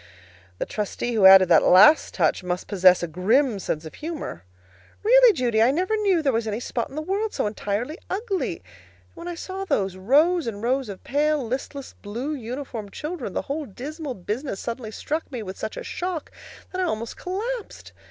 The trustee who added that last touch must possess a grim sense of humor. Really, Judy, I never knew there was any spot in the world so entirely ugly; and when I saw those rows and rows of pale, listless, blue uniformed children, the whole dismal business suddenly struck me with such a shock that I almost collapsed.